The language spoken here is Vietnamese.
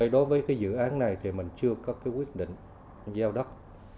đối với dự án này thì mình chưa có quyết định giao đất